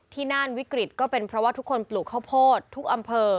น่านวิกฤตก็เป็นเพราะว่าทุกคนปลูกข้าวโพดทุกอำเภอ